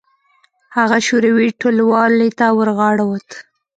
هغه شوروي ټلوالې ته ورغاړه وت.